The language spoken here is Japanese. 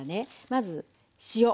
まず塩。